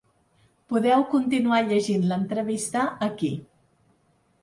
Podeu continuar llegint l’entrevista aquí.